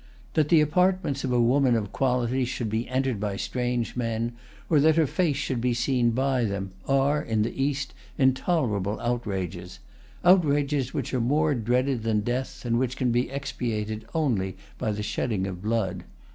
That the apartments of a woman of quality should be entered by strange men, or that her face should be seen by them, are, in the East, intolerable outrages,—outrages which are more dreaded than death, and which can be expiated only by the shedding of blood.